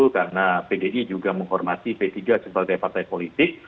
karena pdi juga menghormati p tiga sebagai partai politik